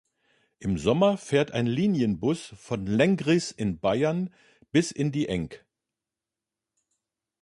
Im Sommer fährt ein Linienbus von Lenggries in Bayern bis in die Eng.